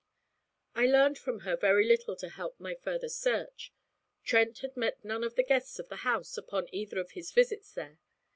I learned from her very little to help my further search. Trent had met none of the guests of the house upon either of his visits there.